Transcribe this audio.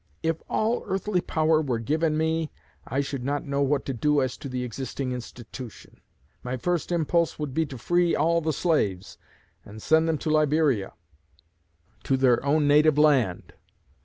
If all earthly power were given me, I should not know what to do as to the existing institution. My first impulse would be to free all the slaves, and send them to Liberia to their own native land.